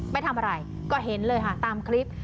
ไม่ทำอะไรก็เห็นเลยค่ะตามคลิป